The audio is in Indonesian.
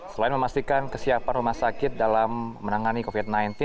selain memastikan kesiapan rumah sakit dalam menangani covid sembilan belas